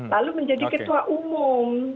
lalu menjadi ketua umum